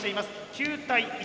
９対１。